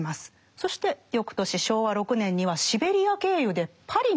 そして翌年昭和６年にはシベリア経由でパリに行ってるんですよね。